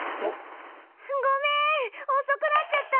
ごめんおそくなっちゃった。